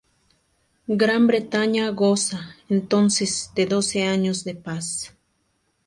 Gran Bretaña goza, entonces, de doce años de paz.